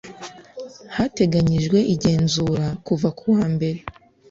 hateganyijwe igenzura kuva ku wa mbere